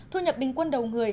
thu nhập bình quân đầu người